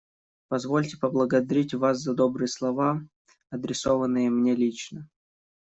Позвольте поблагодарить вас за добрые слова, адресованные мне лично.